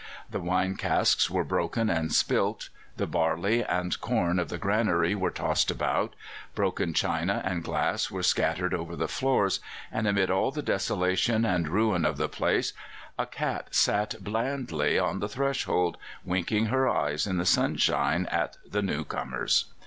The wine casks were broken and spilt; the barley and corn of the granary were tossed about; broken china and glass were scattered over the floors; and amid all the desolation and ruin of the place a cat sat blandly on the threshold, winking her eyes in the sunshine at the new comers.